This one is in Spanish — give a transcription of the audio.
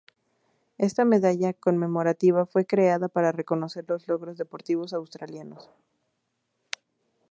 Esta medalla conmemorativa fue creada para reconocer los logros deportivos australianos.